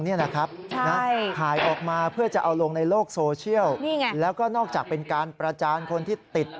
นี่แหละครับถ่ายออกมาเพื่อจะเอาลงในโลกโซเชียลแล้วก็นอกจากเป็นการประจานคนที่ติด